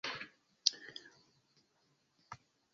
Li estas la nuna Ministro pri Medio de Brazilo.